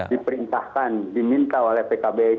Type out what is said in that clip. diperintahkan diminta oleh pkb